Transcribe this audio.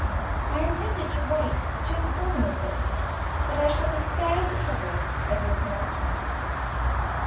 I intended to write to inform you of this; but I shall be spared the trouble as you have come out to me."